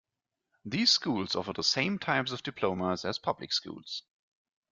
These schools offer the same types of diplomas as public schools.